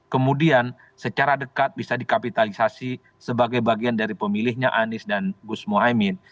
kemudian secara dekat bisa dikapitalisasi sebagai bagian dari pemilihnya anies dan gus mohaimin